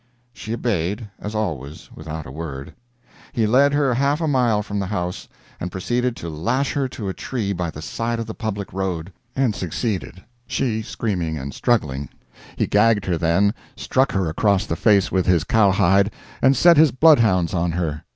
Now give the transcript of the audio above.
She obeyed as always, without a word. He led her half a mile from the house, and proceeded to lash her to a tree by the side of the public road; and succeeded, she screaming and struggling. He gagged her then, struck her across the face with his cowhide, and set his bloodhounds on her.